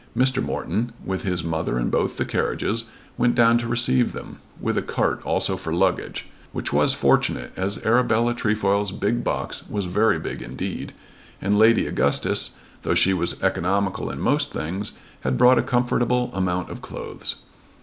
Mr. Morton, with his grandmother and both the carriages, went down to receive them, with a cart also for the luggage, which was fortunate, as Arabella Trefoil's big box was very big indeed, and Lady Augustus, though she was economical in most things, had brought a comfortable amount of clothes.